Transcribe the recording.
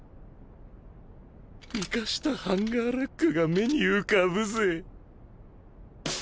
イカしたハンガーラックが目に浮かぶぜ。